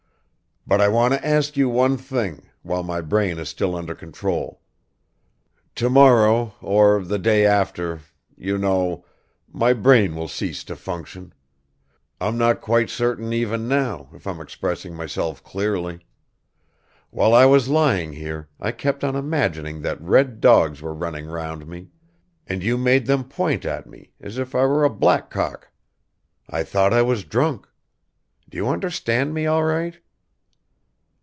"But I want to ask you one thing while my brain is still under control. Tomorrow or ,the day after, you know, my brain will cease to function. I'm not quite certain even now, if I'm expressing myself clearly. While I was lying here I kept on imagining that red dogs were running round me, and you made them point at me, as if I were a blackcock. I thought I was drunk. Do you understand me all right?"